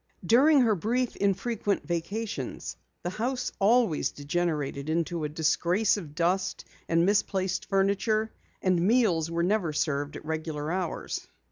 During her brief, infrequent vacations, the house always degenerated into a disgrace of dust and misplaced furniture, and meals were never served at regular hours.